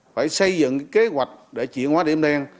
phải xây dựng kế hoạch để chuyển hóa điểm đen